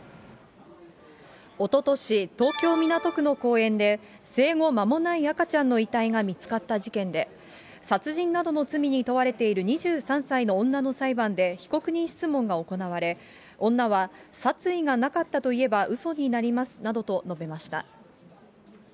おととし、東京・港区の公園で、生後間もない赤ちゃんの遺体が見つかった事件で、殺人などの罪に問われている２３歳の女の裁判で被告人質問が行われ、女は殺意がなかったといえばうそになりますなどと述べました。